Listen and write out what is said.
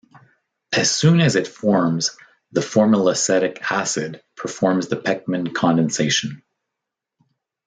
As soon as it forms, the formylacetic acid performs the Pechmann condensation.